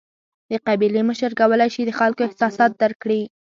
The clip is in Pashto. د قبیلې مشر کولای شي د خلکو احساسات درک کړي.